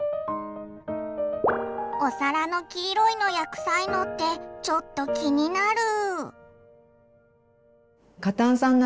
お皿の黄色いのや臭いのってちょっと気になる。